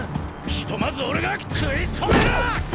ひとまず俺が食い止める！！